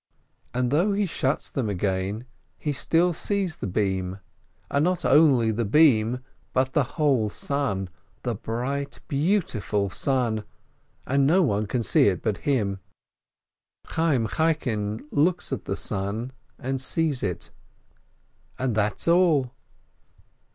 And though he shuts them again, he still sees the beam, and not only the beam, but the whole sun, the bright, beautiful sun, and no one can see it but him ! Chayyim 'Chaikiu looks at the sun and sees it — and that's all